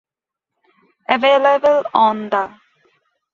Available on the